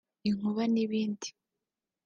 inkuba n’ibindi